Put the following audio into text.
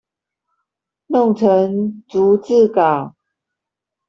弄成逐字稿